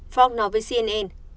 fogg nói với cnn